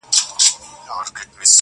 اوس د زلمیو هوسونو جنازه ووته-